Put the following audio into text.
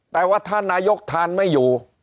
แต่ว่าถ้านายกทานไม่อยู่